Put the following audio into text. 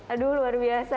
aduh luar biasa